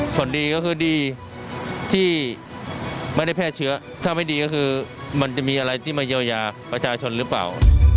ส่วนดีก็คือดีที่ไม่ได้แพร่เชื้อถ้าไม่ดีก็คือมันจะมีอะไรที่มาเยียวยาประชาชนหรือเปล่า